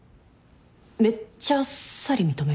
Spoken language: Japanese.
めっちゃあっさり認めるね。